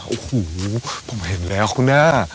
โอ้โหผมเห็นแล้วนะ